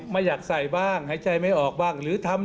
ไม่ก็ได้เด็กได้คือเด็กก็ให้รับผลทฤพธิ์